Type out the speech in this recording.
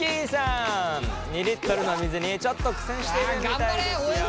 ２リットルの水にちょっと苦戦しているみたいですよ。